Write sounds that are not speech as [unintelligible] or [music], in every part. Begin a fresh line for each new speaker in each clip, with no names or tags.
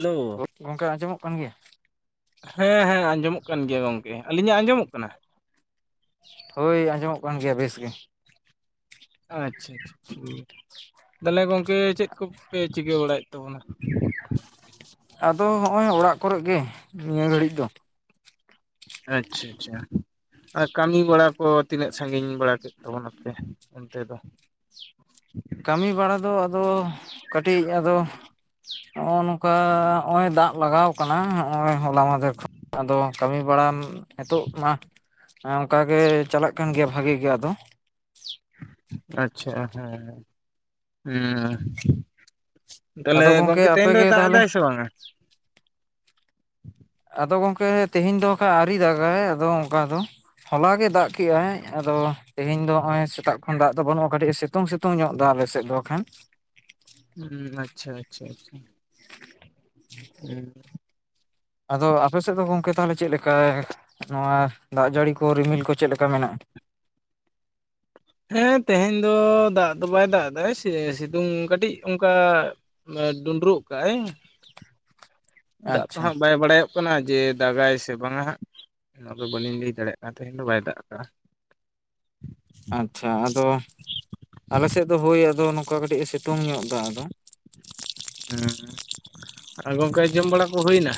Hello
ᱜᱚᱝᱠᱮ ᱟᱸᱡᱚᱢᱚᱜ ᱠᱟᱱ ᱜᱮᱭᱟ?
ᱦᱮᱸ ᱦᱮᱸ ᱟᱸᱡᱚᱢᱚᱜ ᱠᱟᱱ ᱜᱮᱭᱟ ᱜᱚᱢᱠᱮ ᱟᱹᱞᱤᱧᱟᱜ ᱟᱸᱡᱚᱢᱚᱜ ᱠᱟᱱᱟ
ᱦᱳᱭ ᱟᱸᱡᱚᱢᱚᱜ ᱠᱟᱱ ᱜᱮᱭᱟ ᱵᱮᱥ ᱜᱮ
ᱟᱪᱪᱷᱟ ᱟᱪᱪᱷᱟ ᱜᱮᱭᱟ ᱛᱟᱦᱚᱞᱮ ᱜᱚᱢᱠᱮ ᱪᱮᱫ ᱠᱚ ᱯᱮ ᱪᱤᱠᱟᱹ ᱵᱟᱲᱟᱭᱮᱫ ᱛᱟᱵᱚᱱᱟ
ᱟᱫᱚ ᱦᱚᱜᱼᱚᱭ ᱚᱲᱟᱜ ᱠᱚᱨᱮᱫ ᱜᱮ ᱱᱤᱭᱟᱹ ᱜᱷᱟᱹᱲᱤᱡ ᱫᱚ
ᱟᱪᱪᱷᱟ ᱟᱪᱪᱷᱟ ᱟᱨ ᱠᱟᱹᱢᱤ ᱵᱟᱲᱟ ᱠᱚ ᱛᱤᱱᱟᱹᱜ ᱥᱟᱺᱜᱤᱧ ᱵᱟᱲᱟ ᱠᱮᱫ ᱛᱟᱵᱚᱱᱟ ᱯᱮ ᱚᱱᱛᱮ ᱫᱚ [inaudible]
ᱠᱟᱹᱢᱤ ᱵᱟᱲᱟ ᱫᱚ ᱟᱫᱚ ᱠᱟᱹᱴᱤᱡ ᱟᱫᱟᱚ ᱱᱚᱜ-ᱚ ᱱᱚᱝᱠᱟ ᱱᱚᱜᱚᱭ ᱫᱟᱜ ᱞᱟᱜᱟᱣ ᱠᱟᱱᱟ ᱦᱚᱸᱜᱼᱚᱭ ᱦᱚᱞᱟ ᱢᱟᱦᱫᱷᱮᱨ ᱠᱷᱚᱱ ᱟᱫᱚ ᱠᱟᱹᱢᱤ ᱵᱟᱲᱟ ᱱᱤᱛᱚᱜ ᱢᱟ ᱦᱮᱸ ᱚᱱᱠᱟ ᱜᱮ ᱪᱟᱞᱟᱜ ᱠᱟᱱ ᱜᱮᱭᱟ ᱵᱷᱟᱜᱮ ᱜᱮ ᱟᱫᱚ
ᱟᱪᱪᱷᱟ ᱦᱩᱸᱻ ᱛᱟᱦᱚᱞᱮ
ᱟᱫᱚ ᱜᱚᱝᱠᱮ
ᱜᱚᱢᱠᱮ ᱛᱮᱦᱮᱧ ᱫᱚᱭ
ᱟᱯᱮᱜᱮ
ᱫᱟᱜ
ᱛᱟᱦᱚᱞᱮ
ᱮᱫᱟᱭ ᱥᱮ ᱵᱟᱝᱟ
ᱟᱫᱚ ᱜᱚᱝᱠᱮ ᱛᱮᱦᱮᱧ ᱫᱚ ᱠᱷᱟᱡ ᱟᱹᱣᱨᱤ ᱫᱟᱜᱟᱭ ᱫᱚ ᱚᱱᱠᱟ ᱫᱚ ᱦᱚᱞᱟ ᱜᱮ ᱫᱟᱜ ᱠᱮᱜᱼᱟᱭ ᱟᱫᱚ ᱛᱮᱦᱮᱧ ᱫᱚ ᱱᱚᱜᱚᱭ ᱥᱮᱛᱟᱜ ᱠᱷᱚᱱ ᱫᱟᱜ ᱫᱚ ᱵᱟᱹᱱᱩᱜᱼᱟ ᱠᱟᱹᱴᱤᱡ ᱥᱤᱛᱩᱝ ᱥᱤᱛᱩᱝ ᱧᱚᱜ ᱫᱟᱜ ᱟᱞᱮᱥᱮᱫ ᱫᱚ ᱦᱚᱸᱜᱠᱷᱟᱱ
ᱦᱩᱸ ᱟᱪᱪᱷᱟ ᱟᱪᱪᱷᱟ ᱟᱪᱪᱷᱟ ᱦᱩᱸ
ᱟᱫᱚ ᱟᱯᱮ ᱥᱮᱫ ᱫᱚ ᱜᱚᱝᱠᱮ ᱛᱟᱦᱚᱞᱮ ᱪᱮᱫ ᱞᱮᱠᱟ ᱱᱚᱣᱟ ᱫᱟᱜ ᱡᱟᱹᱲᱤ ᱠᱚ ᱨᱤᱢᱤᱞ ᱠᱚ ᱪᱮᱫ ᱞᱮᱠᱟ ᱢᱮᱱᱟᱜ-ᱟ᱾
ᱦᱮᱸ ᱛᱮᱦᱮᱧ ᱫᱚ ᱫᱟᱜ ᱫᱚ ᱵᱟᱭ ᱫᱟᱜ ᱮᱫᱟ ᱥᱤᱛᱩᱝ ᱠᱟᱹᱴᱤᱡ ᱚᱱᱠᱟ ᱰᱩᱸᱰᱨᱩᱜ ᱠᱟᱜᱟᱭ ᱫᱟᱜ ᱛᱚ
ᱟᱪᱪᱷᱟ
ᱦᱟᱸᱜ ᱵᱟᱭ ᱵᱟᱲᱟᱭᱚᱜ ᱦᱩᱭᱩᱜ ᱠᱟᱱᱟ ᱡᱮ ᱫᱟᱜᱟᱭ ᱥᱮ ᱵᱟᱝᱟ ᱦᱟᱸᱜ ᱚᱱᱟᱫᱚ ᱵᱟᱹᱞᱤᱧ ᱞᱟᱹᱭ ᱫᱟᱲᱮᱭᱟᱜ ᱠᱟᱱ ᱛᱮᱦᱮᱧ ᱫᱚ ᱵᱟᱭ ᱫᱟᱜ ᱠᱟᱜ-ᱟ᱾ [unintelligible]
ᱟᱪᱪᱷᱟ ᱟᱫᱚ ᱟᱞᱮ ᱥᱮᱫ ᱫᱚ ᱦᱳᱭ ᱟᱫᱚ ᱱᱚᱝᱠᱟ ᱠᱟᱹᱴᱤᱡ ᱮ ᱥᱤᱛᱩᱝ ᱧᱚᱜ ᱮᱫᱟ ᱟᱫᱚ
ᱦᱮᱸ ᱟᱨ ᱜᱚᱝᱠᱮ ᱡᱚᱢ ᱵᱟᱲᱟ ᱠᱚ ᱦᱩᱭᱱᱟ?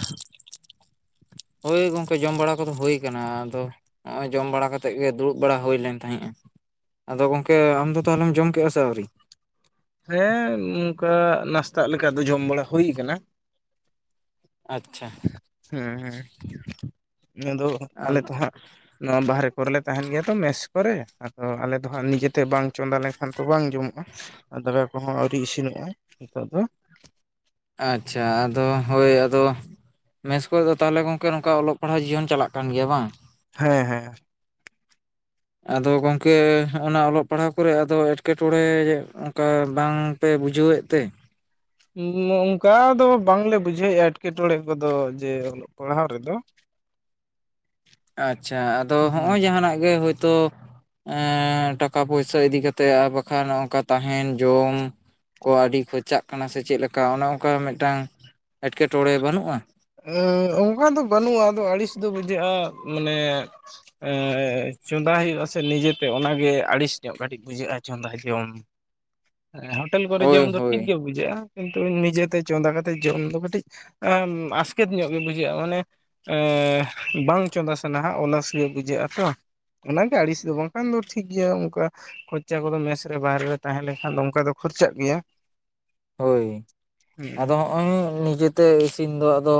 ᱦᱳᱭ ᱜᱚᱢᱠᱮ ᱡᱚᱢ ᱵᱟᱲᱟ ᱠᱚᱫᱚ ᱦᱩᱭ ᱠᱟᱱᱟ ᱟᱫᱚ ᱱᱚᱜ-ᱚᱭ ᱡᱚᱢ ᱵᱟᱲᱟ ᱠᱟᱛᱮᱫ ᱜᱮ ᱫᱩᱲᱩᱵ ᱵᱟᱲᱟ ᱦᱩᱭ ᱞᱮᱱ ᱛᱟᱦᱮᱸᱜ-ᱟ᱾ ᱟᱫᱚ ᱜᱚᱝᱠᱮ ᱟᱢᱫᱚ ᱛᱟᱦᱚᱞᱮ ᱡᱚᱢ ᱠᱮᱫ-ᱟ ᱥᱮ ᱟᱹᱣᱨᱤ?
ᱦᱮᱸ ᱱᱚᱝᱠᱟ ᱱᱟᱥᱛᱟᱜ ᱞᱮᱠᱟ ᱫᱚ ᱡᱚᱢ ᱵᱟᱲᱟ ᱦᱩᱭ ᱠᱟᱱᱟ᱾
ᱟᱪᱪᱷᱟ
ᱦᱮᱸ ᱦᱮᱸ ᱤᱱᱟᱹ ᱫᱚ ᱟᱞᱮ ᱫᱚ ᱦᱟᱸᱜ ᱱᱚᱣᱟ ᱵᱟᱦᱨᱮ ᱠᱚᱨᱮᱞᱮ ᱛᱟᱦᱮᱱ ᱜᱮᱭᱟ ᱛᱚ ᱢᱮᱥ ᱠᱚᱨᱮ ᱟᱫᱚ ᱟᱞᱮ ᱫᱚ ᱦᱟᱸᱜ ᱱᱤᱡᱮᱛᱮ ᱵᱟᱝ ᱪᱚᱸᱫᱟ ᱞᱮᱱ ᱠᱷᱟᱱ ᱛᱚ ᱵᱟᱝ ᱡᱚᱢᱚᱜ-ᱟ ᱟᱨ ᱫᱟᱠᱟ ᱠᱚᱦᱚᱸ ᱟᱹᱣᱨᱤ ᱤᱥᱤᱱᱚᱜ-ᱟ ᱱᱤᱛᱚᱜ ᱫᱚ
ᱟᱪᱪᱷᱟ ᱟᱫᱚ ᱦᱳᱭ ᱟᱫᱚ ᱢᱮᱥ ᱠᱚᱨᱮ ᱫᱚ ᱛᱟᱦᱚᱞᱮ ᱜᱚᱝᱠᱮ ᱱᱚᱝᱠᱟ ᱚᱞᱚᱜ ᱯᱟᱲᱦᱟᱣ ᱡᱤᱭᱚᱱ ᱪᱟᱞᱟᱜ ᱠᱟᱱ ᱜᱮᱭᱟ ᱵᱟᱝ
ᱦᱮᱸ ᱦᱮᱸ
ᱟᱫᱚ ᱜᱚᱝᱠᱮ ᱚᱱᱟ ᱚᱞᱚᱜ ᱯᱟᱲᱦᱟᱣ ᱠᱚᱨᱮ ᱟᱫᱚ ᱮᱸᱴᱠᱮᱴᱚᱬᱮ ᱚᱱᱠᱟ ᱵᱟᱝ ᱯᱮ ᱵᱩᱡᱷᱟᱹᱣ ᱮᱫ ᱛᱮ?
ᱚᱱᱠᱟ ᱫᱚ ᱵᱟᱝᱞᱮ ᱵᱩᱡᱷᱟᱹᱣᱮᱫ-ᱟ ᱮᱸᱴᱠᱮᱴᱚᱬᱮ ᱠᱚᱫᱚ ᱡᱮᱹ ᱯᱟᱲᱦᱟᱣ ᱨᱮᱫᱚ
ᱟᱪᱪᱷᱟ ᱟᱫᱚ
ᱦᱩᱸ
ᱦᱚᱸᱜ-ᱚᱭ ᱡᱟᱦᱟᱱᱟᱜ ᱜᱮ ᱛᱚ ᱴᱟᱠᱟ ᱯᱚᱭᱥᱟ ᱤᱫᱤ ᱠᱟᱛᱮᱫ ᱟᱨ ᱵᱟᱠᱷᱟᱱ ᱱᱚᱝᱠᱟ ᱛᱟᱦᱮᱱ ᱡᱚᱢ ᱠᱚ ᱟᱹᱰᱤ ᱠᱷᱚᱨᱪᱟᱜ ᱠᱟᱱᱟ ᱥᱮ ᱪᱮᱫᱠᱟ ᱚᱱᱮ ᱚᱱᱠᱟ ᱢᱤᱫᱴᱟᱝ ᱮᱸᱴᱠᱮᱴᱚᱬᱮ ᱵᱟᱹᱱᱩᱜ-ᱟ᱾
ᱚᱱᱠᱟ ᱫᱚ ᱵᱟᱹᱱᱩᱜ-ᱟ ᱟᱫᱚ ᱟᱹᱲᱤᱥ ᱫᱚ ᱵᱩᱡᱷᱟᱹᱜ-ᱟ᱾ ᱢᱟᱱᱮ ᱪᱚᱸᱫᱟ ᱦᱩᱭᱩᱜ-ᱟ ᱥᱮ ᱱᱤᱡᱮᱛᱮ ᱚᱱᱟᱜᱮ ᱟᱹᱲᱤᱥ ᱧᱚᱜ ᱠᱟᱹᱴᱤᱡ ᱵᱩᱡᱷᱟᱹᱜ-ᱟ ᱪᱚᱸᱫᱟ ᱡᱚᱢ ᱦᱮᱸ ᱦᱳᱴᱮᱞ ᱠᱚᱨᱮ
ᱦᱳᱭ
ᱡᱚᱢ ᱫᱚ
ᱦᱳᱭ
ᱴᱷᱤᱠ ᱜᱮ ᱵᱩᱡᱷᱟᱹᱜ-ᱟ ᱠᱤᱱᱛᱩ ᱱᱤᱡᱮᱛᱮ ᱪᱚᱸᱫᱟ ᱠᱟᱛᱮᱜ ᱡᱚᱢ ᱫᱚ ᱠᱟᱹᱴᱤᱡ ᱟᱥ ᱠᱮᱛ ᱧᱚᱜ ᱜᱮ ᱵᱩᱡᱷᱟᱹᱜ-ᱟ ᱢᱟᱱᱮ ᱵᱟᱝ ᱪᱚᱸᱫᱟ ᱥᱟᱱᱟ‌-ᱟ ᱚᱞᱟᱥ ᱜᱮ ᱵᱩᱡᱷᱟᱹᱜ-ᱟ ᱛᱚ ᱚᱱᱟᱜᱮ ᱟᱹᱲᱤᱥ ᱫᱚ ᱵᱟᱝᱠᱷᱟᱱ ᱫᱚ ᱴᱷᱤᱠ ᱜᱮᱭᱟ ᱚᱱᱠᱟ ᱠᱷᱚᱨᱪᱟ ᱠᱚᱫᱚ ᱢᱮᱥ ᱨᱮ ᱵᱟᱦᱨᱮ ᱨᱮ ᱛᱟᱦᱮᱸ ᱞᱮᱱᱠᱷᱟᱱ ᱫᱚ ᱚᱝᱠᱟ ᱫᱚ ᱠᱷᱚᱨᱪᱟᱜ ᱜᱮᱭᱟ᱾
ᱦᱳᱭ ᱟᱫᱚ
ᱦᱩᱸ
ᱱᱚᱜ-ᱚᱭ ᱱᱤᱡᱮᱹᱛᱮ ᱤᱥᱤᱱ ᱫᱚ ᱟᱫᱚ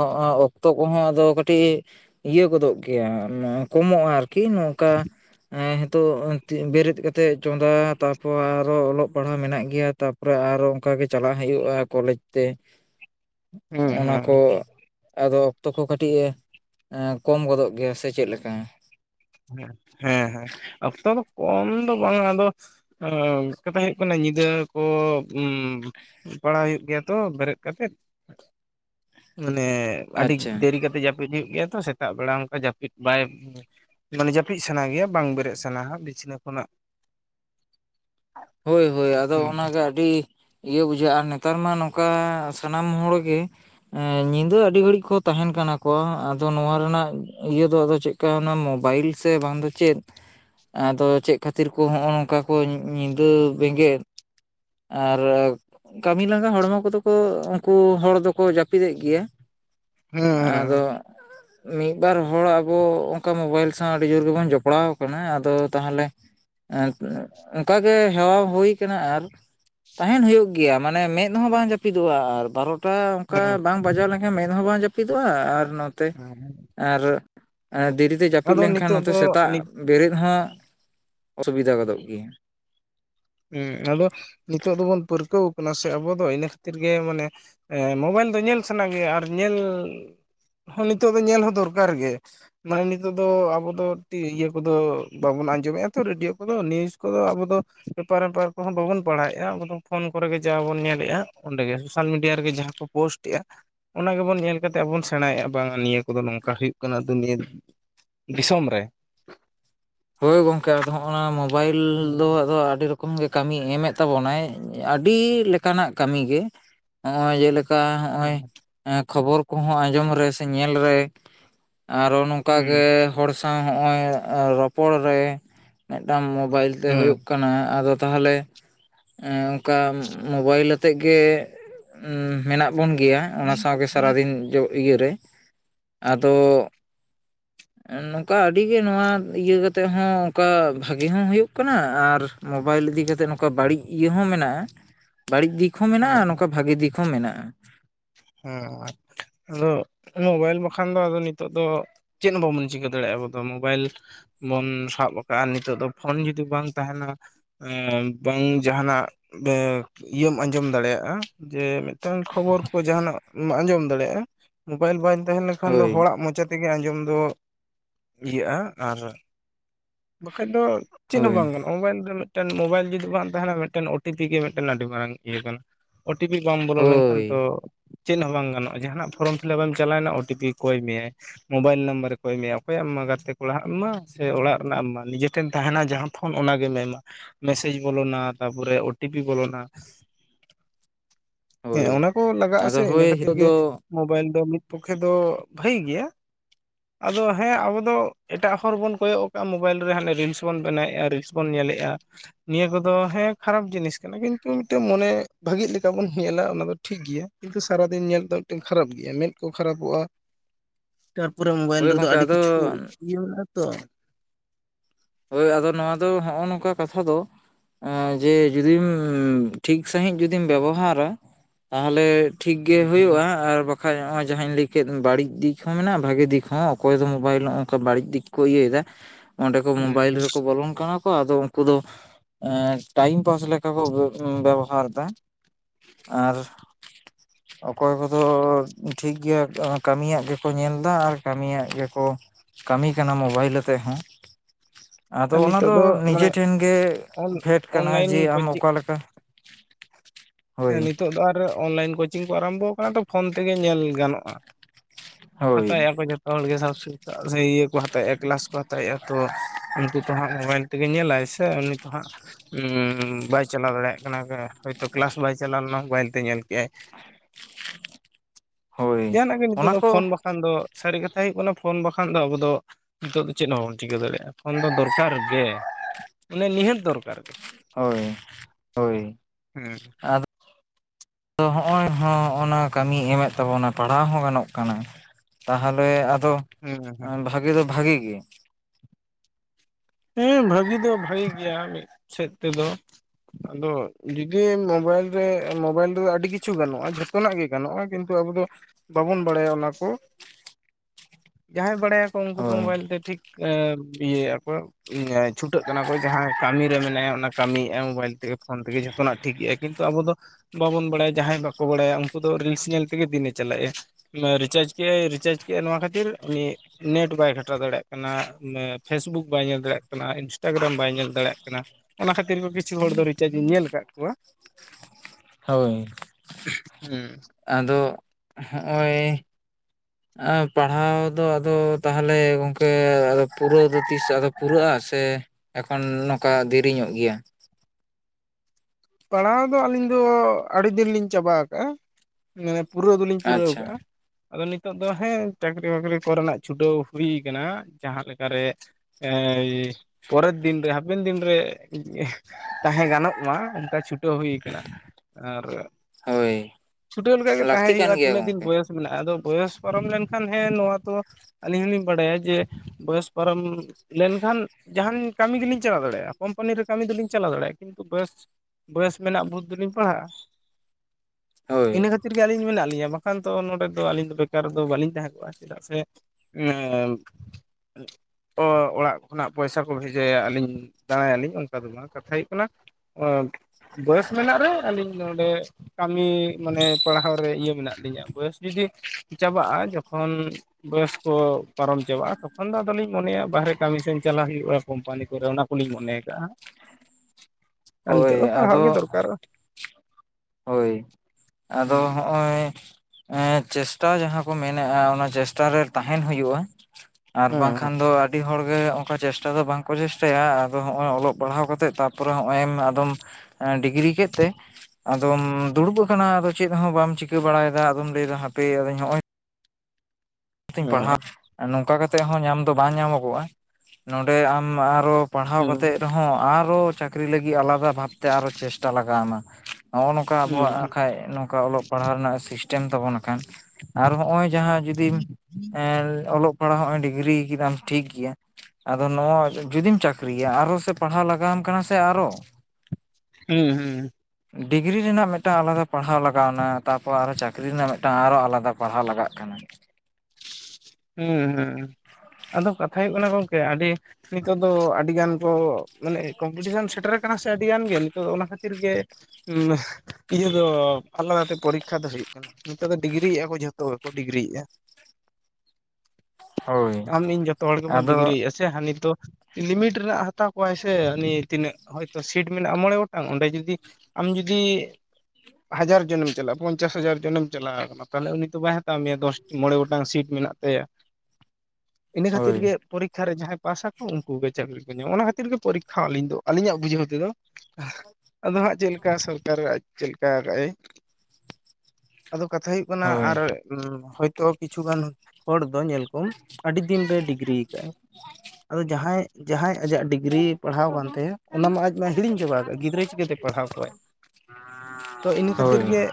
ᱚᱠᱛᱚ ᱠᱚᱦᱚᱸ ᱟᱫᱚ ᱠᱟᱹᱴᱤᱡ ᱤᱭᱟᱹ ᱜᱚᱫᱚᱜ ᱜᱮᱭᱟ ᱠᱚᱢᱚᱜ-ᱟ ᱟᱨᱠᱤ ᱱᱚᱝᱠᱟ ᱮ ᱱᱤᱛᱚᱜ ᱵᱮᱨᱮᱫ ᱠᱟᱛᱮᱫ ᱪᱚᱸᱫᱟ ᱛᱟᱯᱚᱨ ᱟᱨᱚ ᱚᱞᱚᱜ ᱯᱟᱲᱦᱟᱣ ᱢᱮᱱᱟᱜ ᱜᱮᱭᱟ ᱛᱟᱯᱚᱨᱮ ᱟᱨᱚ ᱚᱱᱠᱟ ᱜᱮ ᱪᱟᱞᱟᱜ ᱦᱩᱭᱩᱜ-ᱟ ᱠᱚᱞᱮᱡᱽ ᱛᱮ
ᱦᱩᱸ
ᱚᱱᱟ
ᱦᱩᱸ
ᱠᱚ ᱟᱫᱚ ᱚᱠᱛᱚ ᱠᱚ ᱠᱟᱹᱴᱤᱡ ᱮ ᱠᱚᱢ ᱜᱚᱫᱚᱜ ᱜᱮᱭᱟ ᱥᱮ ᱪᱮᱫ ᱞᱮᱠᱟ?
ᱦᱮ ᱦᱮᱸ ᱦᱮᱸ ᱚᱠᱛᱚ ᱫᱚ ᱠᱚᱢ ᱫᱚ ᱵᱟᱝᱟ ᱟᱫᱚ ᱠᱟᱛᱷᱟ ᱦᱩᱭᱩᱜ ᱠᱟᱱᱟ ᱧᱤᱫᱟᱹ ᱠᱚ ᱯᱟᱲᱟᱣ ᱦᱩᱭᱩᱜ ᱜᱮᱭᱟ ᱛᱚ ᱵᱮᱨᱮᱫ ᱠᱟᱛᱮᱫ ᱢᱟᱱᱮ ᱟᱹᱰᱤ
ᱟᱪᱪᱷᱟ
ᱫᱮᱨᱤ ᱠᱟ ᱠᱟᱛᱮᱫ ᱡᱟᱹᱯᱤᱫ ᱦᱩᱭᱩᱜ ᱜᱮᱭᱟ ᱛᱚ ᱥᱮᱛᱟᱜ ᱵᱮᱲᱟ ᱚᱱᱠᱟ ᱡᱟᱹᱯᱤᱫ ᱵᱟᱭ ᱢᱟᱱᱮ ᱡᱟᱹᱯᱤᱫ ᱥᱟᱱᱟ ᱜᱮᱭᱟ ᱵᱟᱝ ᱵᱮᱨᱮᱫ ᱥᱟᱱᱟ ᱦᱟᱜ ᱵᱤᱪᱷᱱᱟᱹ ᱠᱷᱚᱱᱟᱜ᱾
ᱦᱳᱭ ᱦᱳᱭ ᱟᱫᱚ
ᱦᱮᱸ
ᱚᱱᱟ ᱜᱮ ᱟᱹᱰᱤ ᱤᱭᱟᱹ ᱵᱩᱡᱷᱟᱹᱜ-ᱟ ᱟᱨ ᱱᱮᱛᱟᱨ ᱢᱟ ᱱᱚᱝᱠᱟ ᱥᱟᱱᱟᱢ ᱦᱚᱲ ᱜᱮ ᱧᱤᱫᱟᱹ ᱟᱹᱰᱤ ᱜᱷᱟᱹᱲᱤᱡ ᱠᱚ ᱛᱟᱦᱮᱱ ᱠᱟᱱᱟ ᱠᱚ ᱟᱫᱚ ᱱᱚᱣᱟ ᱨᱮᱱᱟᱜ ᱤᱭᱟᱹ ᱫᱚ ᱟᱫᱚ ᱪᱮᱫ ᱠᱟ ᱚᱱᱟ ᱢᱳᱵᱟᱭᱤᱞ ᱥᱮ ᱵᱟᱝ ᱫᱚ ᱪᱮᱫ ᱟᱫᱚ ᱪᱮᱫ ᱠᱷᱟᱹᱛᱤᱨ ᱠᱚ ᱦᱚᱜ-ᱚ ᱱᱚᱝᱠᱟ ᱠᱚ ᱧᱤ ᱵᱮᱸᱜᱮᱫ ᱟᱨ ᱠᱟᱹᱢᱤ ᱞᱟᱸᱜᱟ ᱦᱚᱲᱢᱚ ᱠᱚᱫᱚ ᱠᱚ ᱩᱱᱠᱩ ᱦᱚᱲ ᱫᱚᱠᱚ ᱡᱟᱹᱯᱤᱫᱮᱫ ᱜᱮᱭᱟ ᱟᱫᱚ
ᱦᱮᱸ
ᱢᱤᱫ ᱵᱟᱨ ᱦᱚᱲ ᱟᱵᱚ ᱚᱱᱠᱟ ᱢᱳᱵᱟᱭᱤᱞ ᱥᱟᱶ ᱟᱹᱰᱤ ᱡᱳᱨ ᱜᱮᱵᱚᱱ ᱡᱚᱯᱲᱟᱣ ᱟᱠᱟᱱᱟ ᱟᱫᱚ ᱛᱟᱦᱚᱞᱮ ᱚᱱᱠᱟᱠ ᱜᱮ ᱦᱮᱣᱟ ᱦᱩᱭ ᱠᱟᱱᱟ ᱟᱨ ᱛᱟᱦᱮᱱ ᱦᱩᱭᱩᱜ ᱜᱮᱭᱟ ᱢᱟᱱᱮ ᱢᱮᱫ ᱦᱚᱸ ᱵᱟᱝ ᱡᱟᱹᱯᱤᱫᱚᱜᱼᱟ ᱟᱨ ᱵᱟᱨᱚ ᱴᱟ ᱚᱱᱠᱟ
ᱦᱮᱸ ᱦᱮᱸ
ᱵᱟᱝ ᱵᱟᱡᱟᱣ ᱞᱮᱱᱠᱷᱟᱱ ᱢᱮᱫᱦᱚ ᱵᱟᱝ ᱡᱟᱹᱯᱤᱫᱚᱜᱼᱟ ᱟᱨ ᱱᱚᱛᱮ ᱟᱨ ᱟᱨ ᱫᱤᱨᱤ ᱛᱮ ᱡᱟᱹᱯᱤᱫ
ᱟᱫᱚ
ᱞᱮᱱᱠᱷᱟᱱ
ᱱᱤᱛᱚᱜ
ᱱᱚᱛᱮ
ᱫᱚ
ᱥᱮᱛᱟᱜ
ᱱᱤᱛ
ᱵᱮᱨᱮᱫ ᱦᱚᱸ ᱚᱥᱩᱵᱤᱫᱷᱟ ᱜᱚᱫᱚᱜ ᱜᱮᱭᱟ
ᱦᱩᱸ ᱟᱫᱚ ᱱᱤᱛᱚᱜ ᱫᱚᱵᱚᱱ ᱯᱟᱹᱨᱠᱟᱹᱣ ᱠᱟᱱᱟ ᱥᱮ ᱟᱵᱚ ᱫᱚ ᱤᱱᱟᱹ ᱠᱷᱟᱹᱛᱤᱨ ᱜᱮ ᱢᱟᱱᱮ ᱮ ᱢᱳᱵᱟᱭᱤᱞ ᱫᱚ ᱧᱮᱞ ᱥᱟᱱᱟ ᱜᱮᱭᱟ ᱟᱨ ᱧᱮᱞ ᱦᱚ ᱱᱤᱛᱚᱜ ᱫᱚ ᱧᱮᱞ ᱦᱚᱸ ᱫᱚᱨᱠᱟᱨ ᱜᱮ ᱢᱟᱝ ᱱᱤᱛᱚᱜ ᱫᱚ ᱟᱵᱚᱫ ᱫᱚ ᱴᱤ ᱤᱭᱟᱹ ᱠᱚᱫᱚ ᱵᱟᱵᱚᱱ ᱟᱸᱡᱚᱢᱮᱫᱼᱟ ᱛᱚ ᱨᱮᱰᱤᱭᱳ ᱠᱚᱫᱚ ᱱᱤᱥ ᱠᱚᱫᱚ ᱟᱵᱚ ᱫᱚ ᱯᱮᱯᱟᱨᱼᱮᱯᱟᱨ ᱠᱚᱦᱚᱸ ᱵᱟᱵᱚᱱ ᱯᱟᱲᱦᱟᱣᱮᱫᱼᱟ ᱟᱵᱚ ᱫᱚ ᱯᱷᱳᱱ ᱠᱚᱨᱮᱜ ᱜᱮ ᱡᱟ ᱵᱚᱱ ᱧᱮᱞᱮᱫᱼᱟ ᱚᱸᱰᱮᱜᱮ ᱥᱳᱥᱟᱞ ᱢᱤᱰᱤᱭᱟ ᱨᱮᱜᱮ ᱡᱟᱦᱟᱸ ᱠᱚ ᱯᱳᱥᱴ ᱮᱜᱟ ᱚᱱᱟ ᱜᱮᱵᱚᱱ ᱧᱮᱞ ᱠᱟᱛᱮᱫᱵᱚᱱ ᱥᱮᱬᱟᱭᱮᱜᱼᱟ ᱵᱟᱝᱟ ᱱᱤᱭᱟᱹ ᱠᱚᱫᱚ ᱱᱚᱝᱠᱟ ᱦᱩᱭᱩᱜ ᱠᱟᱱ-ᱟ ᱫᱩᱱᱭᱟᱹ ᱫᱤᱥᱚᱢ ᱨᱮ
ᱦᱳᱭ ᱜᱚᱝᱠᱮ ᱟᱫᱚ ᱦᱚᱸᱜᱼᱱᱟ ᱢᱵᱟᱭᱤᱞ ᱫᱚ ᱟᱫᱚ ᱟᱹᱰᱤ ᱨᱚᱠ ᱠᱚᱢ ᱜᱮ ᱠᱟᱹᱢᱤ ᱮᱢᱮᱫ ᱛᱟᱵᱚᱱᱟᱭ ᱟᱹᱰᱤ ᱞᱮᱠᱟᱱᱟᱜ ᱠᱟᱹᱢᱤ ᱜᱮ ᱱᱚᱜᱼᱚᱭ ᱡᱮᱞᱮᱠ ᱠᱟ ᱦᱚᱸᱜᱼᱚᱭ
ᱦᱩᱸ
ᱠᱷᱚᱵᱚᱨ ᱠᱚᱦᱚᱸ ᱟᱸᱡᱚᱢ ᱨᱮ ᱥᱮ ᱧᱮᱞ ᱨᱮ ᱟᱨᱚ ᱱᱚᱝ ᱠᱟᱜᱮ ᱦᱚᱲ ᱥᱟᱶ ᱦᱚᱸᱜᱼᱚᱭ ᱨᱚᱯᱚᱲ ᱨᱮ ᱢᱤᱫᱴᱟᱝ ᱢᱚᱵᱟᱭᱤᱞ ᱛᱮ
ᱦᱩᱸ
ᱦᱩᱭᱩᱜ ᱠᱟᱱᱟ ᱟᱫᱚ ᱛᱟᱦᱚᱞᱮ ᱮ ᱚᱱᱠᱟ ᱢᱚᱵᱟᱭᱤᱞ ᱟᱛᱮᱜ ᱜᱮ ᱢᱮᱱᱟᱜ ᱵᱚᱱ ᱜᱮᱭᱟ ᱚᱱᱟ ᱥᱟᱶᱜᱮ ᱥᱟᱨᱟᱫᱤᱱ ᱡᱚ ᱤᱭᱟᱹᱨᱮ ᱟᱫᱚ ᱱᱚᱝᱠᱟ ᱟᱹᱰᱤ ᱜᱮ ᱱᱚᱣᱟ ᱤᱭᱟᱹ ᱠᱟᱫ ᱛᱮ ᱦᱚᱸ ᱚᱱᱠᱟ ᱵᱷᱟᱜᱤ ᱦᱚᱸ ᱦᱩᱭᱩᱜ ᱠᱟᱱᱟ ᱟᱨ ᱢᱳᱵᱟᱭᱤᱞ ᱤᱫᱤ ᱠᱟᱛᱮ ᱱᱚᱝᱠᱟ ᱵᱟᱹᱲᱤᱡ ᱤᱭᱟᱹ ᱦᱚᱸ ᱢᱮᱱᱟᱜᱼᱟ
[inaudible]
ᱵᱟᱹᱲᱤᱡ ᱫᱤᱠ ᱦᱚᱸ ᱢᱮᱱᱟᱜᱼᱟ ᱱᱚᱝᱠᱟ ᱵᱷᱟᱜᱤ ᱫᱤᱠ ᱦᱚᱸ ᱢᱮᱱᱟᱜᱼᱟ
ᱦᱩᱸ ᱟᱫᱚ ᱢᱳᱵᱟᱭᱤᱞ ᱵᱟᱠᱷᱟᱱ ᱫᱚ ᱟᱫᱚ ᱱᱤᱛᱚᱜ ᱫᱚ ᱪᱮᱫ ᱦᱚᱸ ᱵᱟᱵᱚᱱ ᱪᱤᱠᱟᱹ ᱫᱟᱲᱮᱭᱟᱜᱼᱟ ᱟᱵᱚ ᱫᱚ ᱢᱳᱵᱟᱭᱤᱞ ᱵᱚᱱ ᱥᱟᱵ ᱟᱠᱟᱜᱼᱟ ᱱᱤᱛᱚᱜ ᱫᱚ ᱯᱷᱳᱱ ᱡᱩᱫᱤ ᱵᱟᱝ ᱛᱟᱦᱮᱱᱟ ᱵᱟᱝ ᱡᱟᱦᱟᱱᱟᱜ ᱵᱮᱠ ᱤᱭᱟᱹᱢ ᱟᱸᱡᱚᱢ ᱫᱟᱲᱮᱭᱟᱜᱼᱟ ᱡᱮ ᱢᱤᱫᱴᱟᱝ ᱠᱷᱚᱵᱚᱨ ᱠᱚ ᱡᱟᱦᱟᱱᱟᱜ ᱟᱸᱡᱚᱢ ᱫᱟᱲᱮᱭᱟᱜᱼᱟ ᱢᱳᱵᱟᱭᱤᱞ ᱵᱧ ᱛᱟᱦᱮᱸ ᱞᱮᱱᱠᱷᱟᱱ ᱫᱚ
ᱦᱳᱭ
ᱦᱚᱲᱟᱜ ᱢᱚᱪᱟᱛ ᱛᱮᱜᱮ ᱟᱸᱡᱚᱢ ᱫᱚ ᱤᱭᱟᱹᱜᱼᱟ ᱟᱨ ᱵᱟᱠᱷᱟᱡ ᱫᱚ ᱪᱮᱫ ᱦᱚᱸ
ᱦᱳᱭ
ᱵᱟᱝ ᱠᱟᱱᱼᱟ ᱢᱳᱵᱟᱭᱤᱞ ᱨᱮ ᱢᱤᱫᱴᱮᱱ ᱢᱳᱵᱟᱭᱤᱞ ᱡᱩᱫᱤ ᱵᱟᱝ ᱛᱟᱦᱮᱱᱟ ᱢᱤᱫᱴᱮᱱ ᱩᱰᱤ ᱯᱤ ᱜᱮ ᱢᱤᱫᱴᱮᱱ ᱟᱹᱰᱤ ᱢᱟᱨᱟᱝ ᱤᱭᱟᱹ ᱠᱟᱱᱟ ᱳ ᱴᱤ ᱯᱤ ᱵᱟᱢ ᱵᱚᱞᱚ ᱞᱮᱱᱠᱷᱟᱱ ᱛᱚ
ᱦᱳᱭ
ᱪᱮᱫ ᱦᱚᱸ ᱵᱟᱝ ᱜᱟᱱᱚᱜᱼᱟ ᱡᱟᱦᱟᱱᱟᱜ ᱯᱷᱚᱨᱚᱢ ᱯᱷᱤᱞᱟᱯ ᱮᱢ ᱪᱟᱞᱟᱣ ᱮᱱᱟ ᱳ ᱴᱤ ᱯᱤ ᱠᱚᱭ ᱢᱮᱟᱭ ᱢᱳᱵᱟᱭᱤᱞ ᱱᱟᱢᱵᱟᱨ ᱨᱮ ᱠᱚᱭ ᱢᱮᱭᱟ ᱚᱠᱚᱭᱟᱜ ᱮᱢᱟ ᱜᱟ ᱜᱟᱛᱮ ᱠᱚᱲᱟ ᱦᱟᱜ ᱮᱢᱟᱜ-ᱟ ᱥᱮ ᱚᱲᱟᱜ ᱚᱲᱟᱜ ᱮᱢᱟ ᱱᱤᱡᱮ ᱴᱷᱮᱱ ᱛᱟᱦᱮᱱᱟ ᱡᱟᱦᱟᱸ ᱯᱷᱚᱱ ᱚᱱᱟ ᱜᱮᱢ ᱮᱢᱟ ᱢᱮᱥᱡᱽ ᱵᱚᱞᱚᱱᱟ ᱛᱟᱨᱯᱚᱨᱮ ᱳ ᱴᱤ ᱯᱤ ᱵᱚᱞᱚᱱᱟ ᱦᱮᱸ
ᱦᱳᱭ
ᱚᱱᱟ ᱠᱚ ᱞᱟᱜᱟᱜ-ᱟ
ᱟᱫᱚ
ᱥᱮ ᱤᱱᱟᱹ
ᱦᱳᱭ
ᱠᱷᱟᱹᱛᱤᱨ
ᱱᱤᱛᱚᱜ
ᱜᱮ
ᱫᱚ
ᱢᱳᱵᱟᱭᱤᱞ ᱫᱚ ᱢᱤᱫ ᱯᱚᱠᱷᱮ ᱫᱚ ᱵᱷᱟᱹᱜᱤ ᱜᱮᱭᱟ᱾ ᱟᱫᱚ ᱦᱮᱸ ᱟᱵᱚ ᱫᱚ ᱮᱴᱟᱜ ᱦᱚᱲ ᱵᱚᱱ ᱠᱚᱭᱚᱜᱼᱼ ᱚᱠᱟ ᱢᱳᱵᱟᱭᱤᱞ ᱨᱮ ᱦᱟᱱᱮ ᱨᱤᱞᱥ ᱵᱚᱱ ᱵᱮᱱᱟᱣᱮᱜ-ᱟ ᱨᱤᱞᱥ ᱵᱚᱱ ᱧᱮᱞᱮᱜ-ᱟ᱾ ᱱᱤᱭᱟᱹ ᱠᱚᱫᱚ ᱦᱮᱸ ᱠᱷᱟᱨᱟᱯ ᱡᱤᱱᱤᱥ ᱠᱟᱱᱟ ᱠᱤᱱᱛᱩ ᱢᱤᱫᱴᱮᱱ ᱢᱚᱱᱮ ᱵᱷᱟᱹᱜᱤ ᱞᱮᱠᱟ ᱵᱚᱱ ᱧᱮᱞᱟ ᱚᱱᱟ ᱫᱚ ᱴᱷᱤᱠ ᱜᱮᱭᱟ᱾ ᱠᱤᱱᱛᱩ ᱥᱟᱨᱟ ᱫᱤᱱ ᱧᱮᱞ ᱫᱚ ᱢᱤᱫᱴᱤᱡ ᱠᱷᱟᱨᱟᱯ ᱜᱮᱭᱟ ᱢᱮᱸᱫ ᱠᱚ ᱠᱷᱟᱨᱟᱯᱚᱜ-ᱟ᱾ ᱛᱟᱨᱯᱚᱨᱮ ᱢᱳᱵᱟᱭᱤᱞ
ᱦᱳᱭ
ᱨᱮᱫᱚ
ᱜᱚᱝᱠᱮ
ᱟᱹᱰᱤ
ᱟᱫᱚ
ᱠᱤᱪᱷᱩ ᱤᱭᱟᱹ ᱢᱮᱱᱟᱜ-ᱟ ᱛᱚ᱾
ᱦᱳᱭ ᱟᱫᱚ ᱱᱚᱣᱟ ᱫᱚ ᱦᱚᱸᱜ-ᱚ ᱱᱚᱝᱠᱟ ᱠᱟᱛᱷᱟ ᱫᱚ ᱟᱻ ᱡᱮ ᱡᱩᱫᱤᱢ ᱴᱷᱤᱠ ᱥᱟᱺᱦᱤᱡ ᱡᱩᱫᱤᱢ ᱵᱮᱵᱚᱦᱟᱨᱟ᱾ ᱛᱟᱦᱚᱞᱮ ᱴᱷᱤᱠ ᱜᱮ ᱦᱩᱭᱩᱜ-ᱟ ᱟᱨ ᱵᱟᱠᱼᱼ ᱠᱷᱟᱡ ᱱᱚᱜ-ᱚᱸᱭ ᱡᱟᱦᱟᱸᱧ ᱞᱟᱹᱭ ᱠᱮᱫ ᱵᱟᱲᱤᱡ ᱫᱤᱠ ᱦᱚᱸ ᱢᱮᱱᱟᱜ-ᱟ ᱵᱷᱟᱜᱤ ᱫᱤᱠ ᱦᱚᱸ ᱚᱠᱚᱭ ᱫᱚ ᱢᱳᱵᱟᱭᱤᱞ ᱱᱚᱜ-ᱚᱝᱠᱟ ᱵᱟᱲᱤᱡ ᱫᱤᱠ ᱠᱚ ᱤᱭᱟᱹᱭ ᱫᱟ᱾ [unintelligible] ᱢᱳᱵᱟᱭᱤᱞ ᱨᱮᱠᱚ ᱵᱚᱞᱚᱱ ᱠᱟᱱᱟᱼᱼ ᱠᱚ ᱟᱫᱚ ᱩᱱᱠᱩ ᱫᱚ ᱮᱻ ᱴᱟᱭᱤᱢ ᱯᱟᱥ ᱞᱮᱠᱟ ᱠᱚ ᱵᱮᱵᱽ ᱮᱸᱜ ᱵᱮᱵᱽ ᱦᱟᱨ ᱫᱟ᱾ ᱟᱨᱼᱼ
[inaudible]
ᱚᱠᱚᱭ ᱠᱚ ᱫᱚ ᱴᱷᱤᱠ ᱜᱮᱭᱟ ᱠᱟᱹᱢᱤ ᱭᱟᱜ ᱜᱮ ᱠᱚ ᱧᱮᱞ ᱫᱟ ᱟᱨ ᱠᱟᱢᱤ ᱭᱟᱜ ᱜᱮ ᱠᱚᱼᱼ ᱠᱟᱢᱤ ᱠᱟᱱᱟ ᱢᱳᱵᱟ ᱭᱤᱞ ᱟᱛᱮ ᱦᱚᱸ᱾ ᱟᱫᱚ
ᱟᱨ
ᱚᱱᱟ
ᱱᱤᱛᱚᱜ
ᱫᱚ ᱱᱤᱡᱮ
ᱢᱟᱱᱮ
ᱴᱷᱮᱱ ᱜᱮ
ᱚᱱ
ᱯᱷᱮᱰ ᱠᱟᱱᱟ
ᱚᱱᱞᱟᱭᱤᱱ
ᱡᱮ ᱟᱢ
ᱠᱳᱪᱤᱝ
ᱚᱠᱟ ᱞᱮᱠᱟᱼᱼ
ᱦᱮᱸ ᱱᱤᱛᱚᱜ ᱫᱚ ᱟᱨ ᱚᱱ ᱞᱟᱭᱤᱱ ᱠᱳᱪᱤᱝ ᱠᱚ ᱟᱨᱟᱢ ᱵᱚ ᱠᱟᱱᱟ ᱛᱚ ᱯᱷᱳᱱ ᱛᱮ ᱜᱮ ᱧᱮᱞ ᱜᱟᱱᱚᱜ-ᱟ᱾
ᱦᱳᱭ
ᱦᱟᱛᱟᱭ ᱮᱜ-ᱟ ᱠᱚ ᱡᱚᱛᱼᱼ ᱡᱷᱚᱛᱚ ᱦᱚᱲ ᱜᱮ ᱥᱟᱵ ᱥᱮ ᱪᱟᱜ ᱥᱮ ᱤᱭᱟᱹ ᱠᱚ ᱦᱟᱛᱟᱣ ᱮᱜ-ᱟ ᱠᱮᱞᱟᱥ ᱠᱚ ᱦᱟᱛᱟᱣ ᱮᱜ-ᱟ ᱛᱚ ᱩᱱᱠᱩ ᱠᱚ ᱦᱟᱸᱜ ᱢᱚᱵᱟ ᱭᱤᱞᱼᱼ ᱛᱮ ᱜᱮ ᱧᱮᱞ ᱟᱭ ᱥᱮ ᱩᱱᱤ ᱛᱚ ᱦᱟᱸᱜ ᱩᱸᱻ ᱵᱟᱭ ᱪᱟᱞᱟᱣ ᱫᱟᱲᱮ ᱭᱟᱜ ᱠᱟᱱᱟ ᱦᱳᱭ ᱛᱚ ᱠᱮᱞᱟᱥᱼᱼ ᱵᱟᱭ ᱪᱟᱞᱟᱣ ᱞᱮᱱᱟ ᱢᱚᱵᱟᱭᱤᱞ‌ ᱛᱮ ᱧᱮᱞ ᱠᱮᱜ-ᱟᱭ᱾
ᱦᱳᱭ
ᱡᱟᱦᱟᱸ ᱱᱟᱜ ᱜᱮ ᱱᱤᱛᱚᱜ
ᱚᱱᱟ
ᱫᱚ
ᱠᱚ
ᱯᱷᱳᱱ ᱵᱟ ᱠᱷᱟᱱ ᱫᱚ ᱥᱟᱹᱨᱤ ᱠᱟᱛᱷᱟ ᱦᱩᱭᱩᱜ ᱠᱟᱱᱟ ᱯᱷᱳᱱ ᱵᱟ ᱠᱷᱟᱱ ᱫᱚ ᱟᱵᱚ ᱫᱚᱼᱼ ᱱᱤᱛᱚᱜ ᱫᱚ ᱪᱮᱫ ᱦᱚᱸ ᱵᱟᱵᱚᱱ ᱪᱤᱠᱟᱹ ᱫᱟᱲᱮ ᱭᱟᱜ-ᱟ ᱯᱷᱳᱱ ᱫᱚ ᱫᱚᱨ ᱠᱟᱨ ᱜᱮ ᱢᱟᱱᱮ ᱱᱤᱦᱟᱹᱛ ᱫᱚᱨ ᱠᱟᱨ ᱜᱮ᱾
ᱦᱳᱭ ᱦᱳᱭ
ᱦᱮᱸ
ᱟᱫᱚᱼᱼ ᱟᱫᱚ ᱦᱚᱸᱜ-ᱚᱭ ᱦᱚᱸᱜ-ᱚᱸ ᱱᱚᱶᱟ ᱠᱟᱢᱤᱭ ᱮᱢᱮᱜ ᱛᱟᱵᱚ ᱱᱟ ᱯᱟᱲᱦᱟᱣ ᱦᱚᱸ ᱜᱟᱱᱚᱜ ᱠᱟᱱᱟ᱾ ᱛᱟᱦᱞᱮ ᱟᱫᱚ
ᱦᱮᱸ
ᱮᱻ
ᱦᱮᱸ
ᱵᱷᱟᱜᱮ ᱫᱚ ᱵᱷᱟᱜᱮ ᱜᱮ ᱾
ᱦᱮᱸ ᱵᱷᱟᱹᱜᱤ ᱫᱚ ᱵᱷᱟᱜᱤ ᱜᱮᱭᱟ ᱢᱤᱫ ᱥᱮᱫ ᱛᱮ ᱫᱚ᱾ ᱟᱫᱚ ᱡᱩᱫᱤ ᱢᱳᱵᱟᱭᱤᱞ ᱨᱮ ᱢᱚᱵᱟᱭᱤᱞ ᱨᱮ ᱫᱚ ᱟᱹᱰᱤ ᱠᱤᱪᱷᱩ ᱜᱟᱱᱚᱜ-ᱟ ᱡᱷᱚᱛᱚ ᱱᱟᱜ ᱜᱮ᱾ ᱜᱟᱱᱚᱜ-ᱟ ᱠᱤᱱᱛᱩ ᱟᱹᱵᱩ ᱫᱚ ᱵᱟᱵᱚᱱ ᱵᱟᱲᱟᱭ-ᱟ ᱚᱱᱟ ᱠᱚ ᱡᱟᱦᱟᱸᱭ ᱵᱟᱲᱟ ᱭᱟᱼᱼ ᱠᱚ ᱩᱱᱠᱩ ᱫᱚ
ᱦᱳᱭ
ᱢᱳᱵᱟᱭᱤᱞ ᱛᱮ ᱴᱷᱤᱠ ᱮᱸ ᱤᱭᱟᱹ ᱭᱮᱜ-ᱟ ᱠᱚ᱾ ᱩᱸᱻᱮᱸ ᱪᱷᱩᱴᱟᱹᱜ ᱠᱟᱱᱟ ᱠᱚ ᱡᱟᱦᱟᱸᱭ ᱠᱟᱢᱤ ᱨᱮ ᱢᱮᱱᱟ ᱭᱟ ᱚᱱᱟ ᱠᱟᱢᱤ ᱭᱮᱜ-ᱟᱭ ᱢᱳᱵᱟᱭᱤᱞ ᱛᱮ ᱜᱮ ᱯᱷᱳᱱ ᱛᱮ ᱜᱮ ᱡᱷᱚᱛᱚ ᱱᱟᱜᱼᱼ ᱴᱷᱤᱠ ᱜᱮ ᱭᱟ ᱠᱤᱱᱛᱩ ᱟᱵᱚ ᱫᱚ ᱵᱟᱵᱚᱱ ᱵᱟᱲᱟ ᱭᱟ ᱡᱟᱦᱟᱸᱭ ᱵᱟᱠᱚ ᱵᱟᱲᱟ ᱭᱟ ᱩᱱᱠᱩ ᱫᱚ ᱨᱤᱞᱥ ᱧᱮᱞ ᱛᱮ ᱜᱮ ᱫᱤᱱ ᱮ ᱪᱟᱞᱟᱭ ᱮᱜ-ᱟ᱾ ᱚᱱᱟ ᱨᱤᱪᱟᱨᱡᱽ ᱠᱮᱜ-ᱟᱭ ᱨᱤᱪᱟᱨᱡᱽ ᱠᱮᱜ-ᱟᱭ ᱱᱚᱣᱟ ᱠᱷᱟᱹᱛᱤᱨ ᱩᱱᱤᱼᱼ ᱱᱮᱴ ᱵᱟᱭ ᱠᱷᱟ ᱴᱟᱣ ᱫᱟᱲᱮ ᱭᱟᱜ ᱠᱟᱱᱟ ᱩᱱᱤ ᱢᱮ ᱯᱷᱮᱥᱵᱩᱠ ᱵᱟᱭ ᱧᱮᱞ ᱫᱟᱲᱮ ᱭᱟᱜᱼᱼ ᱠᱟᱱᱟ ᱤᱱᱥᱴᱟ ᱜᱮᱨᱟᱢ ᱵᱟᱭ ᱧᱮᱞ ᱫᱟᱲᱮ ᱭᱟᱜ ᱠᱟᱱᱟ ᱚᱱᱟ ᱠᱷᱟᱹᱛᱤᱨ ᱜᱮ ᱠᱤᱪᱷᱩ ᱦᱚᱲ ᱫᱚ ᱨᱤᱪᱟᱨᱡᱽ ᱤᱧ ᱧᱮᱞ ᱟᱠᱟᱜ ᱠᱚᱣᱟ᱾
ᱦᱳᱭ᱾
ᱦᱩᱸ᱾
ᱟᱫᱚ ᱦᱚᱸᱜ-ᱚᱭᱼᱼ
[inaudible]
ᱟᱨ ᱯᱟᱲᱦᱟᱣ ᱫᱚ ᱟᱫᱚ ᱛᱟᱦᱞᱮ ᱜᱚᱝᱠᱮ ᱟᱫᱚ ᱯᱩᱨᱟᱹᱣ ᱫᱚ ᱛᱤᱥ ᱟᱫᱚ ᱯᱩᱨᱟᱹᱜ-ᱟ ᱥᱮᱼᱼ ᱮᱠᱷᱚᱱ ᱱᱚᱸᱠᱟ ᱫᱤᱨᱤ ᱧᱚᱜ ᱜᱮᱭᱟ?
ᱯᱟᱲᱦᱟᱣ ᱫᱚ ᱟᱹᱞᱤᱧ ᱫᱚ ᱟᱰᱤ ᱫᱤᱱ ᱨᱤᱞᱤᱧ ᱪᱟᱵᱟ ᱠᱟᱜ-ᱟ᱾ ᱢᱟᱱᱮ ᱯᱩᱨᱟᱹᱣ ᱫᱩᱞᱤᱧ ᱯᱩᱨᱟᱹᱣ
ᱟᱪᱪᱷᱟ
ᱠᱟᱜ-ᱟ᱾ ᱟᱫᱚ ᱱᱤᱛᱚᱜ ᱫᱚ ᱦᱮᱸ ᱪᱟᱹᱠᱨᱤ ᱵᱟᱹᱠᱨᱤ ᱠᱚ ᱨᱮ ᱱᱟᱜ ᱪᱷᱩᱴᱟᱹᱣ ᱦᱩᱭ ᱠᱟᱱᱟ ᱡᱟᱦᱟᱸ ᱞᱮᱠᱟ ᱨᱮ ᱼᱼ ᱮᱸᱭ ᱯᱚᱨᱮᱫ ᱫᱤᱱ ᱨᱮ ᱦᱟᱯᱮᱱ ᱫᱤᱱ ᱨᱮ ᱮᱦ ᱛᱟᱦᱮᱸ ᱜᱟᱱᱚᱜ ᱢᱟ᱾ ᱠᱟ ᱪᱷᱩᱴ ᱟᱹᱣ ᱦᱩᱭ ᱠᱟᱱᱟ ᱟᱨ
ᱦᱳᱭ
ᱪᱷᱩᱴ ᱟᱹᱣ ᱞᱮᱠᱟ ᱜᱮ ᱛᱟᱦᱮᱸ
ᱞᱟᱹᱠᱛᱤ ᱠᱟᱱ
ᱦᱩᱭᱩᱜ-ᱟ
ᱜᱮᱭᱟ
ᱛᱤᱱᱟᱹᱜ ᱫᱤᱱ
ᱜᱚᱝᱠᱮ
ᱵᱚᱭᱮᱥᱼᱼ ᱢᱮᱱᱟᱜ-ᱟ ᱟᱫᱚ ᱵᱚᱭᱚᱥ ᱯᱟᱨᱚᱢ ᱞᱮᱱ ᱠᱷᱟᱱ ᱦᱮᱸ ᱱᱚᱣᱟ ᱫᱚᱼᱼ ᱟᱹᱞᱤᱧ ᱦᱩᱞᱤᱧ ᱵᱟᱲᱟ ᱭᱟ ᱡᱮ ᱵᱚᱭᱚᱥ ᱯᱟᱨᱚᱢᱼᱼ ᱞᱮᱱ ᱠᱷᱟᱱ ᱡᱟᱦᱟᱸᱱ ᱠᱟᱢᱤ ᱜᱤᱞᱤᱧ ᱪᱟᱞᱟᱣ ᱫᱟᱲᱮ ᱭᱟᱜ-ᱟ ᱠᱳᱢ ᱯᱟᱱᱤ ᱨᱮ ᱠᱟᱢᱤ ᱫᱩᱞᱤᱧ ᱪᱟᱞᱟᱣ ᱫᱟᱲᱮ ᱭᱟᱜ-ᱟ ᱠᱤᱱᱛᱩ ᱵᱚᱭᱚᱥᱼᱼ ᱵᱚᱭᱮᱥ ᱢᱮᱱᱟᱜ ᱵᱳᱨ ᱫᱚ ᱞᱤᱧ ᱯᱟᱲᱷᱟᱜ ᱤᱱᱟᱹ
ᱦᱳᱭ
ᱠᱷᱟᱹ ᱠᱷᱟᱹᱛᱤᱨ ᱜᱮ ᱟᱹᱞᱤᱧ ᱢᱮᱱᱟᱜ ᱞᱤᱧᱟᱹ ᱵᱟ ᱠᱷᱟᱱ ᱛᱚ ᱱᱚᱸᱰᱮ ᱫᱚ ᱟᱹᱞᱤᱧ ᱫᱚ ᱵᱮᱠᱟᱨ ᱫᱚ ᱵᱟᱹᱞᱤᱧ ᱛᱟᱦᱮᱸ ᱠᱚᱜᱼᱟ ᱪᱮᱫᱟᱜ ᱥᱮ ᱮᱻᱻ ᱚ ᱚᱲᱟᱜ ᱠᱷᱚ ᱱᱟᱜ ᱯᱚᱭᱥᱟ ᱠᱚ ᱵᱷᱮ ᱡᱟᱭᱟ ᱟᱹᱞᱤᱧ ᱫᱟᱬᱮ ᱭᱟᱜ ᱞᱤᱧ ᱚᱱᱠᱟ ᱫᱚ ᱵᱟᱝ, ᱠᱟᱛᱷᱟ ᱦᱩᱭᱩᱜ ᱠᱟᱱᱟ ᱵᱚᱭᱮᱥ ᱢᱮᱱᱟᱜ ᱨᱮ ᱟᱹᱞᱤᱧ ᱱᱚᱸᱰᱮ ᱠᱟᱹᱢᱤ ᱢᱟᱱᱮ ᱯᱟᱲ ᱦᱟᱣ ᱨᱮ ᱤᱭᱟᱹ ᱢᱮᱱᱟᱜ ᱞᱤᱧᱟᱹ ᱵᱚᱭᱮᱥ ᱡᱩᱫᱤ ᱪᱟᱵᱟᱜᱼᱟ ᱡᱚ ᱠᱷᱚᱱ ᱵᱚᱭᱮᱥ ᱠᱚ ᱯᱟᱨᱚᱢ ᱪᱟᱵᱟᱜᱼᱟ ᱛᱚ ᱠᱷᱚᱱ ᱫᱚ ᱟᱫᱚ ᱞᱤᱧ ᱢᱚᱱᱮ ᱭᱟ ᱵᱟᱦᱮ ᱨᱮ ᱠᱟᱹᱢᱤ ᱥᱮᱱ ᱪᱟᱞᱟᱜ ᱦᱩᱭᱩᱜᱼᱟ ᱠᱳᱢ ᱯᱟᱱᱤ ᱠᱚ ᱨᱮ ᱚᱱᱟ ᱠᱩ ᱞᱤᱧ ᱢᱚᱱᱮ ᱠᱟᱜᱼᱟ ᱟᱨ ᱱᱤᱛᱚᱜ ᱫᱚ
ᱦᱳᱭ
ᱯᱟᱲ ᱦᱟᱣ ᱜᱮ
ᱟᱫᱚ
ᱫᱚᱨ ᱠᱟ ᱨᱚᱜ-ᱟ᱾
ᱦᱳᱭ ᱟᱫᱚ ᱦᱚᱸᱜᱼᱚᱭ ᱮᱸ ᱪᱮᱥᱴᱟ ᱡᱟᱦᱟᱸ ᱠᱚ ᱢᱮᱱᱟᱜᱼᱟ ᱚᱱᱟ ᱪᱮᱥᱴᱟ ᱨᱮ ᱛᱟᱦᱮᱱ ᱦᱩᱭᱩᱜᱼᱟ ᱟᱨ ᱵᱟᱝ ᱠᱷᱟᱱ
ᱦᱮᱸ
ᱫᱚ ᱟᱹᱰᱤ ᱦᱚᱲᱜᱮ ᱚᱱᱠᱟ ᱪᱮᱥᱴᱟ ᱫᱚ ᱵᱟᱝ ᱠᱚ ᱪᱮᱥᱴᱟᱭᱟ ᱟᱫᱚ ᱦᱚᱜ-ᱚᱭ ᱚᱞᱚᱜ ᱯᱟᱲᱦᱟᱣ ᱠᱟᱛᱮᱜ ᱛᱟᱨᱯᱚᱨᱮ ᱦᱚᱜ-ᱚᱭ ᱟᱫᱚᱢ ᱮᱸ ᱰᱤᱜᱽᱨᱤ ᱠᱮᱫ ᱛᱮ ᱟᱫᱚᱢ ᱫᱩᱲᱩᱵ ᱟᱠᱟᱱᱟ ᱟᱫᱚ ᱪᱮᱫ ᱦᱚᱸ ᱵᱟᱢ ᱪᱤᱠᱟᱹ ᱵᱟᱲᱟ ᱭᱮᱫᱟ ᱟᱫᱚᱢ ᱞᱟᱹᱭᱟ ᱦᱟᱯᱮ ᱟᱫᱚᱧ ᱦᱚᱜᱼᱚᱭ ᱛᱚᱧ
ᱦᱮᱸ
ᱯᱟᱲᱦᱟᱜ ᱱᱚᱝᱠᱟ ᱠᱟᱛᱮᱫ ᱦᱚᱸ ᱧᱟᱢ ᱫᱚ ᱵᱟᱝ ᱧᱟᱢᱚᱜᱚᱜᱼᱟ ᱱᱚᱸᱰᱮ ᱟᱢ ᱟᱨᱚ ᱯᱟᱲᱦᱟᱣ ᱠᱟᱛᱮᱫ
ᱦᱮᱸ
ᱨᱮᱦᱚᱸ ᱟᱨᱚ ᱪᱟᱹᱠᱨᱤ ᱞᱟᱹᱜᱤᱫ ᱟᱞᱟᱫᱟ ᱵᱷᱟᱵᱽᱛᱮ ᱟᱨᱚ ᱪᱮᱥᱴᱟ ᱞᱟᱜᱟᱣᱢᱟ᱾ ᱱᱚᱜᱼᱚᱭ ᱱᱚᱝᱠᱟ ᱟᱵᱚᱣᱟᱜ
ᱦᱮᱸ
ᱟᱠᱷᱟᱡ ᱱᱚᱝᱠᱟ ᱚᱞᱚᱜ ᱯᱟᱲᱦᱟᱣ ᱨᱮᱱᱟᱜ ᱥᱤᱥᱴᱮᱢ ᱛᱟᱵᱚ ᱟᱠᱷᱟᱱ ᱟᱨ ᱱᱚᱜ-ᱚᱭ ᱡᱟᱦᱟᱸ ᱡᱩᱫᱤᱢ ᱟᱨ ᱚᱞᱚᱜ ᱯᱟᱲᱦᱟᱜ ᱱᱚᱜ-ᱚᱭ ᱰᱤᱜᱽᱨᱤ ᱠᱮᱫᱟᱢ ᱴᱷᱤᱠ ᱜᱮᱭᱟ᱾ ᱟᱫᱚ ᱱᱚᱣᱟ ᱡᱩᱫᱤᱢ ᱪᱟᱹᱠᱨᱤᱭᱟ ᱟᱨᱚ ᱥᱮ ᱯᱟᱲᱦᱟᱣ ᱞᱟᱜᱟᱣᱟᱢ ᱠᱟᱱᱟ ᱥᱮ ᱟᱨᱚ
ᱦᱩᱸ ᱦᱩᱸ
ᱰᱤᱜᱽᱨᱤ ᱨᱮᱱᱟᱜ ᱢᱤᱫᱴᱟᱝ ᱟᱞᱟᱫᱟ ᱯᱟᱲᱦᱟᱣ ᱞᱟᱜᱟᱣᱱᱟ ᱛᱟᱯᱚᱨ ᱟᱨᱚ ᱪᱟᱹᱠᱨᱤ ᱨᱮᱱᱟᱜ ᱢᱤᱫᱴᱟᱝ ᱟᱨᱚ ᱟᱞᱟᱫᱟ ᱯᱟᱲᱦᱟᱣ ᱞᱟᱜᱟᱜ ᱠᱟᱱᱟ᱾
ᱦᱩᱸ ᱦᱩᱸ ᱟᱫᱚ ᱠᱟᱛᱷᱟ ᱦᱩᱭᱩᱜ ᱠᱟᱱᱟ ᱜᱚᱝᱠᱮ ᱟᱹᱰᱤ ᱱᱤᱛᱚᱜ ᱫᱚ ᱟᱹᱰᱤᱜᱟᱱ ᱠᱚ ᱢᱟᱱᱮ ᱠᱚᱢᱯᱤᱴᱤᱥᱮᱱ ᱥᱮᱴᱮᱨ ᱠᱟᱱᱟ ᱥᱮ ᱟᱹᱰᱤᱜᱟᱱ ᱜᱮ ᱱᱤᱛᱚᱜ ᱫᱚ ᱚᱱᱟ ᱠᱷᱟᱹᱛᱤᱨ ᱜᱮ ᱤᱭᱟᱹ ᱫᱚ ᱟᱞᱟᱫᱟ ᱛᱮ ᱯᱚᱨᱤᱠᱷᱟ ᱫᱚ ᱦᱩᱭᱩᱜ ᱠᱟᱱᱟ᱾ ᱱᱚᱛᱮ ᱫᱚ ᱰᱤᱜᱽᱨᱤᱭᱮᱜᱼᱟ ᱠᱚ ᱡᱷᱚᱛᱚᱣ ᱠᱚ ᱰᱤᱜᱽᱨᱤᱭᱮᱜᱼᱟ᱾
ᱦᱳᱭ
ᱟᱢ ᱤᱧ ᱡᱚᱛᱚ ᱦᱚᱲ ᱜᱮᱵᱩᱱ
ᱟᱫᱚ
ᱰᱤᱜᱽᱨᱤᱭᱮᱜᱼᱟ ᱥᱮ ᱦᱟᱱᱤ ᱛᱚ ᱞᱤᱢᱤᱴ ᱨᱮᱱᱟᱜ ᱦᱟᱛᱟᱣ ᱠᱚᱣᱟᱭ ᱥᱮ ᱩᱱᱤ ᱛᱤᱱᱟᱹᱜ ᱦᱚᱭᱛᱳ ᱥᱤᱴ ᱢᱮᱱᱟᱜᱼᱟ ᱢᱚᱬᱮ ᱜᱚᱴᱟᱝ ᱚᱸᱰᱮ ᱡᱩᱫᱤ ᱟᱢ ᱡᱩᱫᱤ ᱦᱟᱡᱟᱨ ᱡᱚᱱᱮᱢ ᱪᱟᱞᱟᱜᱼᱟ ᱯᱚᱧᱪᱟᱥ ᱦᱟᱡᱟᱨ ᱡᱚᱱᱮᱢ ᱪᱟᱞᱟᱣ ᱠᱟᱱᱟ ᱛᱟᱦᱚᱞᱮ ᱩᱱᱤ ᱛᱚ ᱵᱟᱭ ᱦᱟᱛᱟᱣ ᱢᱮᱭᱟ ᱫᱚᱥ ᱢᱚᱬᱮ ᱜᱚᱴᱟᱝ ᱥᱤᱴ ᱢᱮᱱᱟᱜ ᱛᱟᱭᱟ ᱤᱱᱟᱹ ᱠᱷᱟᱹᱛᱤᱨ
ᱦᱳᱭ
ᱜᱮ ᱯᱚᱨᱤᱠᱷᱟ ᱨᱮ ᱡᱟᱦᱟᱸᱭ ᱯᱟᱥᱟᱠᱩ ᱩᱱᱠᱩ ᱜᱮ ᱪᱟᱹᱠᱨᱤ ᱠᱚ ᱧᱟᱢᱟ ᱚᱱᱟ ᱠᱷᱟᱹᱛᱤᱨ ᱜᱮ ᱯᱚᱨᱤᱠᱷᱟ ᱟᱹᱞᱤᱧ ᱫᱚ ᱟᱹᱞᱤᱧᱟᱜ ᱵᱩᱡᱷᱟᱹᱣ ᱛᱮᱫᱚ᱾ ᱟᱫᱚ ᱦᱟᱸᱜ ᱪᱮᱫ ᱞᱮᱠᱟ ᱥᱚᱨᱠᱟᱨᱟᱜ ᱪᱮᱫ ᱞᱮᱠᱟ ᱠᱟᱜᱼᱟᱭ ᱟᱫᱚ ᱠᱟᱛᱷᱟ ᱦᱩᱭᱩᱜ ᱠᱟᱱᱟ ᱟᱨ
ᱦᱳᱭ
ᱦᱚᱭᱛᱳ ᱠᱤᱪᱷᱩ ᱜᱟᱱ ᱦᱚᱲ ᱫᱚ ᱧᱮᱞ ᱠᱚᱢ ᱟᱹᱰᱤ ᱫᱤᱱ ᱨᱮ ᱰᱤᱜᱽᱨᱤ ᱟᱠᱟᱜ-ᱟᱭ᱾ ᱟᱫᱚ ᱡᱟᱦᱟᱸᱭ ᱡᱟᱦᱟᱸᱭ ᱟᱡᱟᱜ ᱰᱤᱜᱽᱨᱤ ᱯᱟᱲᱦᱟᱣ ᱠᱟᱱ ᱛᱟᱭᱟ ᱚᱱᱟ ᱢᱟ ᱟᱡ ᱢᱟ ᱦᱤᱲᱤᱧ ᱪᱟᱵᱟ ᱟᱠᱟᱜᱼᱟ ᱜᱤᱫᱽᱨᱟᱹ ᱪᱤᱠᱟᱹ ᱛᱮ ᱯᱟᱲᱦᱟᱣ ᱠᱚᱣᱟᱭ
[unintelligible]
ᱛᱚ ᱤᱱᱟᱹ ᱠᱷᱟᱹᱛᱤᱨ
ᱦᱳᱭ
ᱜᱮ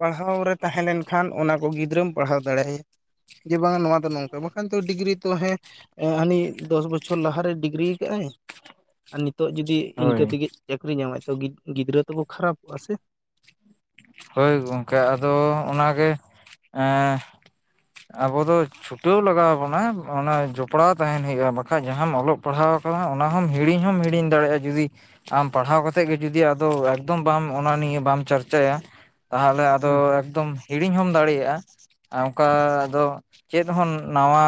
ᱯᱟᱲᱦᱟᱣ ᱨᱮ ᱛᱟᱦᱮᱸ ᱞᱮᱱᱠᱷᱟᱱ ᱚᱱᱟ ᱠᱚ ᱜᱤᱫᱽᱨᱟᱹᱢ ᱯᱟᱲᱦᱟᱣ ᱫᱟᱲᱮᱭᱟ ᱡᱮ ᱵᱟᱝᱟ ᱱᱚᱣᱟ ᱫᱚ ᱱᱚᱝᱠᱟ ᱵᱚᱱ ᱮᱠᱷᱟᱱ ᱛᱚ ᱰᱤᱜᱽᱨᱤ ᱛᱚ ᱦᱮᱸ ᱮᱸ ᱦᱟᱹᱱᱤ ᱫᱚᱥ ᱵᱚᱪᱷᱚᱨ ᱞᱟᱦᱟᱨᱮᱭ ᱰᱤᱜᱽᱨᱤ ᱟᱠᱟᱫᱼ ᱟᱭ ᱟᱨ ᱱᱤᱛᱚᱜ ᱡᱩᱫᱤ ᱤᱱᱠᱟᱹ
ᱦᱳᱭ
ᱛᱮᱜᱮ ᱪᱟᱹᱠᱨᱤ ᱧᱟᱢᱟᱭ ᱛᱚ ᱜᱤᱫ ᱜᱤᱫᱽᱨᱟᱹ ᱛᱚᱠᱚ ᱠᱷᱟᱨᱟᱯᱚᱜᱼᱟ ᱥᱮ
ᱦᱳᱭ ᱜᱚᱢᱠᱮ ᱟᱫᱚ ᱚᱱᱟ ᱜᱮ ᱮᱸ ᱟᱵᱚ ᱫᱚ ᱪᱷᱩᱴᱟᱹᱣ ᱞᱟᱜᱟᱣ ᱵᱚᱱᱟ ᱚᱱᱟ ᱡᱚᱯᱲᱟᱣ ᱛᱟᱦᱮᱱ ᱦᱩᱭᱩᱜᱼᱟ ᱵᱟᱠᱷᱟᱡ ᱡᱟᱦᱟᱸᱢ ᱚᱞᱚᱜ ᱯᱟᱲᱦᱟᱣ ᱟᱠᱟᱱᱟ ᱚᱱᱟ ᱦᱚᱸᱚᱢ ᱦᱤᱲᱤᱧ ᱦᱚᱢ ᱦᱤᱲᱤᱧ ᱫᱟᱲᱮᱭᱟᱜᱼᱟ ᱡᱩᱫᱤ ᱟᱢ ᱯᱟᱲᱦᱟᱣ ᱠᱟᱛᱮᱫ ᱜᱮ ᱡᱩᱫᱤ ᱟᱫᱚ ᱮᱠᱫᱚᱢ ᱵᱟᱢ ᱚᱱᱟ ᱱᱤᱭᱮ ᱵᱟᱢ ᱪᱟᱨᱪᱟᱭᱟ᱾ ᱛᱟᱦᱚᱞᱮ ᱟᱫᱚ ᱮᱠᱫᱚᱢ ᱦᱤᱲᱤᱧ ᱦᱚᱢ ᱫᱟᱲᱮᱭᱟᱜᱼᱟ ᱟᱨ ᱚᱱᱠᱟ ᱫᱚ ᱪᱮᱫ ᱦᱚᱸ ᱱᱟᱣᱟ